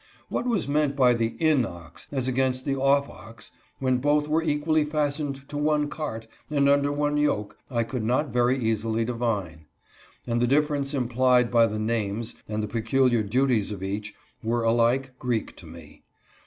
What was meant by the "in ox," as against the "off ox," when both were equally fastened to one cart, and under one yoke, I could not very easily divine ; and the difference implied by the names, and the peculiar duties of each, were alike G reek to me.